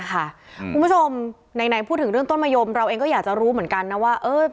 คุณผู้ชมไหนพูดถึงเรื่องต้นมะยมเราเองก็อยากจะรู้เหมือนกันนะว่า